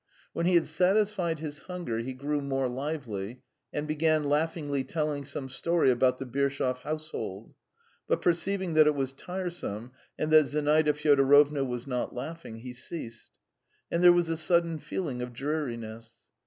When he had satisfied his hunger he grew more lively, and began laughingly telling some story about the Birshov household, but perceiving that it was tiresome and that Zinaida Fyodorovna was not laughing, he ceased. And there was a sudden feeling of dreariness.